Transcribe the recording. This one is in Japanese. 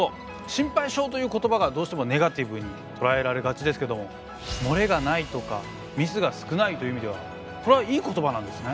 「心配性」という言葉がどうしてもネガティブにとらえられがちですけどももれがないとかミスが少ないという意味ではこれはいい言葉なんですね！